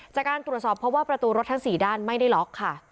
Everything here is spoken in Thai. จากการตรวจสอบเพราะว่าประตูรถทั้ง๔ด้านไม่ได้ล็อกค่ะ